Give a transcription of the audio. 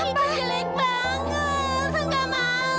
gigi gue jelek banget aku gak mau